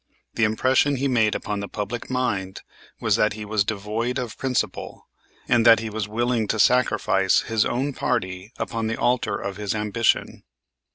The impression he made upon the public mind was that he was devoid of principle, and that he was willing to sacrifice his own party upon the altar of his ambition.